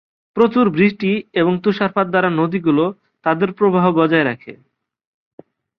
প্রচুর বৃষ্টি এবং তুষার দ্বারা নদীগুলো তাদের প্রবাহ বজায় রাখে।